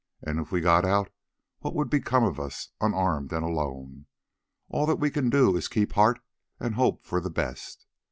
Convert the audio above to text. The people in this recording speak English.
And if we got out what would become of us, unarmed and alone? All that we can do is to keep heart and hope for the best.